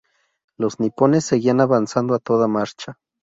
Los nipones seguían avanzando a toda marcha.